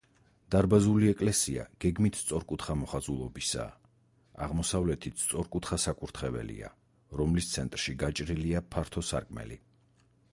დარბაზული ეკლესია გეგმით სწორკუთხა მოხაზულობისაა, აღმოსავლეთით სწორკუთხა საკურთხეველია, რომლის ცენტრში გაჭრილია ფართო სარკმელი.